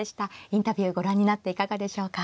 インタビューをご覧になっていかがでしょうか。